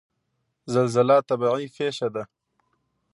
زلزله طبیعي پیښه ده